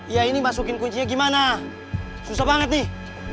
ya ini masukin kuncinya gimana susah banget nih